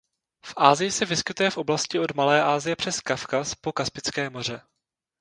V Asii se vyskytuje v oblasti od Malé Asie přes Kavkaz po Kaspické moře.